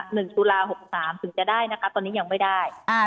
ตุลาหกสามถึงจะได้นะคะตอนนี้ยังไม่ได้อ่า